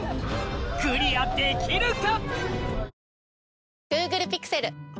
クリアできるか？